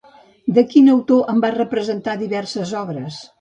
De quin autor en va representar diverses obres?